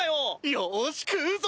よし食うぞ！